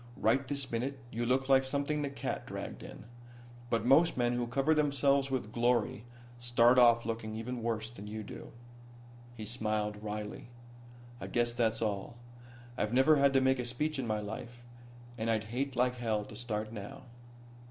Right this minute you look like something the cat dragged in. But most men who cover themselves with glory start off looking even worse than you do." He smiled wryly. "I guess that's all. I've never had to make a speech in my life, and I'd hate like hell to start now."